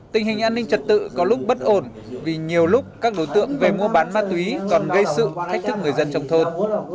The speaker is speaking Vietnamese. tình hình an ninh trật tự có lúc bất ổn vì nhiều lúc các đối tượng về mua bán ma túy còn gây sự thách thức người dân trong thôn